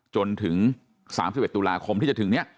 จนถึงสามสิบเอ็ดตุลาคมที่จะถึงเนี่ย